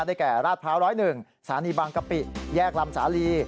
แก่ราชพร้าว๑๐๑สถานีบางกะปิแยกลำสาลี